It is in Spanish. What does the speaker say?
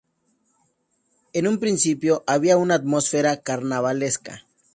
En un principio había una atmósfera carnavalesca.